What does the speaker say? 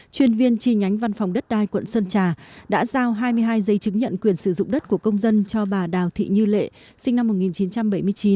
chuyên viên chi nhánh văn phòng đất đai quận sơn trà đã giao hai mươi hai giấy chứng nhận quyền sử dụng đất của công dân cho bà đào thị như lệ sinh năm một nghìn chín trăm bảy mươi chín